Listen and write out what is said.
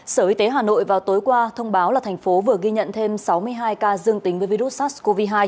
sở y tế hà nội vào tối qua thông báo là thành phố vừa ghi nhận thêm sáu mươi hai ca dương tính với virus sars cov hai